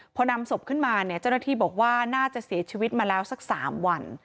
พอนำศพขึ้นมาเนี่ยเจ้าหน้าที่บอกว่าน่าจะเสียชีวิตมาแล้วสัก๓วัน